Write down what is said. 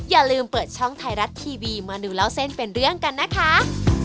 อย่าลืมเปิดช่องไทยรัฐทีวีมาดูเล่าเส้นเป็นเรื่องกันนะคะ